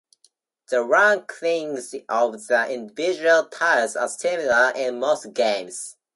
The rankings of the individual tiles are similar in most games.